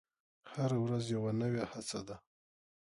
هره ورځ یوه نوې هڅه ده.